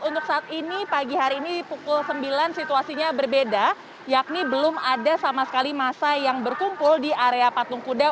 untuk saat ini pagi hari ini pukul sembilan situasinya berbeda yakni belum ada sama sekali masa yang berkumpul di area patung kuda